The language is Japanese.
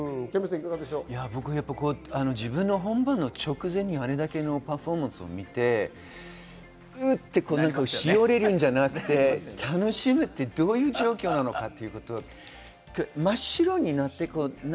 僕は自分の本番の直前に、あれだけのパフォーマンスを見て、うっ！って、しおれるんじゃなくて楽しむってどういう状況なのかなと。